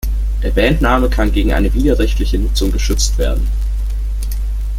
Der Bandname kann gegen eine widerrechtliche Nutzung geschützt werden.